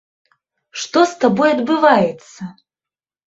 Што з табой адбываецца?